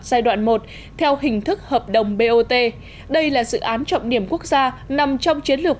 giai đoạn một theo hình thức hợp đồng bot đây là dự án trọng điểm quốc gia nằm trong chiến lược